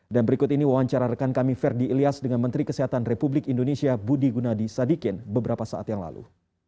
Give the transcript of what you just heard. dan berikut ini wawancara rekan kami ferdi ilyas dengan menteri kesehatan republik indonesia budi gunadi sadikin beberapa saat yang lalu